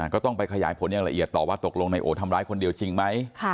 ก็ต้องไปขยายผลอย่างละเอียดต่อว่าตกลงนายโอทำร้ายคนเดียวจริงไหม